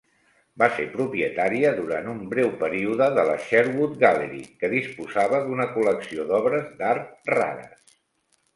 Va ser propietària durant un breu període de la Sherwood Gallery, que disposava d'una col·lecció d'obres d'art rares.